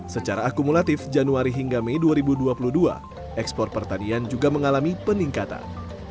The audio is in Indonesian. secara akumulatif januari hingga mei dua ribu dua puluh dua ekspor pertanian juga mengalami peningkatan